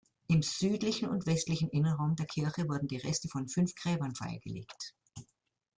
Im südlichen und westlichen Innenraum der Kirche wurden die Reste von fünf Gräbern freigelegt.